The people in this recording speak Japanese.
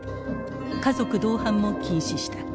家族同伴も禁止した。